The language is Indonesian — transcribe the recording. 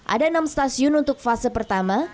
ada enam stasiun untuk fase pertama